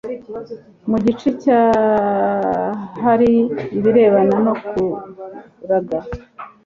mu gice cya hari ibirebana no kuraga